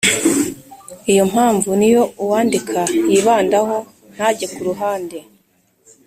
iyo mpamvu ni yo uwandika yibandaho ntage ku ruhande.